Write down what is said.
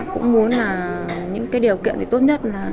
cũng muốn là những điều kiện tốt nhất